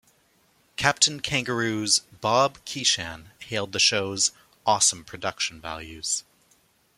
"Captain Kangaroo"'s Bob Keeshan hailed the show's "awesome production values".